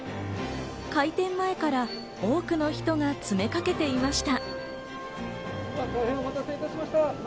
開店前から多くの人が詰めかけていました。